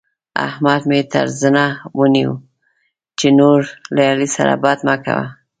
احمد مې تر زنه ونيو چې نور له علي سره بد مه کوه.